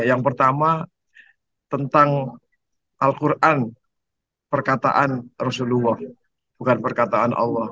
yang pertama tentang al quran perkataan rasulullah bukan perkataan allah